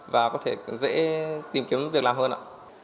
và có thể dễ tìm kiếm việc làm hơn ạ